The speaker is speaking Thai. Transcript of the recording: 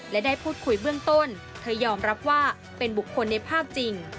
และได้พูดคุยเบื้องต้นเธอยอมรับว่าเป็นบุคคลในภาพจริง